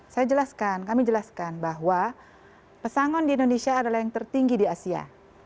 saya jelaskan kami jelaskan bahwa pesangon di indonesia adalah yang tertinggi di asia